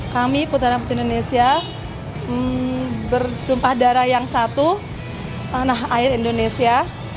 kami putra putri indonesia berjumpah darah yang satu tanah air indonesia